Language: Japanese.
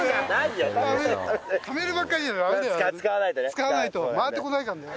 使わないとね。